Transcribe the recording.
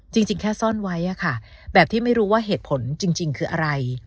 จริงแค่ซ่อนไว้ค่ะแบบที่ไม่รู้ว่าเหตุผลจริงคืออะไร